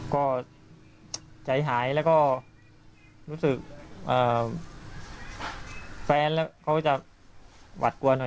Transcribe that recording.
ก็ใจหายแล้วก็รู้สึกแฟนแล้วเขาจะหวัดกลัวหน่อย